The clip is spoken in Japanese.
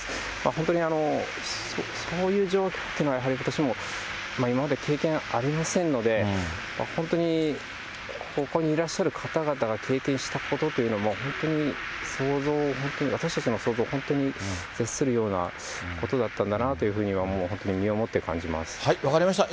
本当にそういう状況っていうのは、私も今まで経験ありませんので、本当にここにいらっしゃる方々が経験したことというのも、本当に想像を本当に、私たちの想像を本当に絶するようなことだったんだなというふうには、分かりました。